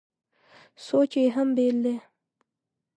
سوچ یې هم بېل دی.